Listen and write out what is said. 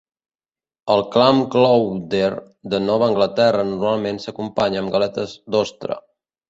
El "Clam chowder" de Nova Anglaterra normalment s'acompanya amb galetes d'ostra.